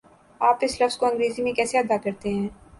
آپ اس لفظ کو انگریزی میں کیسے ادا کرتےہیں؟